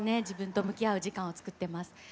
自分と向き合う時間をつくってます。